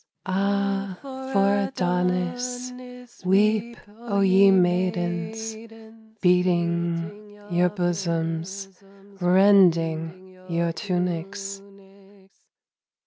Ah, for Adonis! Weep, O ye maidens, Beating your bosoms, Rending your tunics.